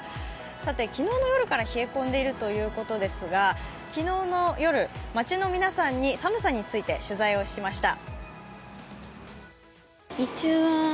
さて、昨日の夜から冷え込んでいるということですが昨日の夜、街の皆さんに寒さについて取材をしました。